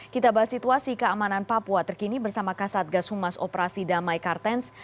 kita bahas situasi keamanan papua terkini bersama kasatgas humas operasi damai kartens